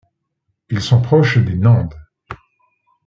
Ils sont proches des Nande.